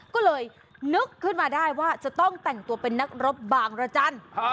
ก็เลยนึกขึ้นมาได้ว่าจะต้องแต่งตัวเป็นนักรบบางรจันทร์